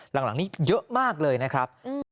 หลังหลังนี้เยอะมากเลยนะครับอืม